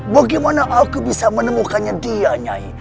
bagaimana aku bisa menemukannya dia nyai